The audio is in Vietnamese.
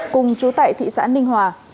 cùng trú tại thị xã ninh hòa